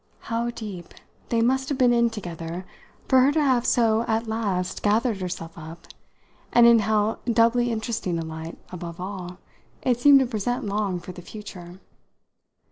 How deep they must have been in together for her to have so at last gathered herself up, and in how doubly interesting a light, above all, it seemed to present Long for the future!